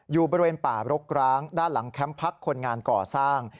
อยู่บริเวณป่ารกร้างด้านหลังแคมป์พักคนงานก่อสร้าง